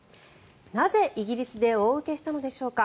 なぜイギリスで大受けしたのでしょうか。